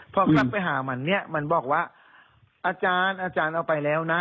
พอกลับไปหามันเนี่ยมันบอกว่าอาจารย์อาจารย์เอาไปแล้วนะ